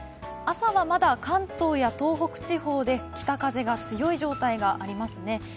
朝はまだ関東や東北地方で北風が強い状態がありますね。